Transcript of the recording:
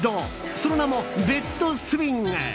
その名もベッドスイング。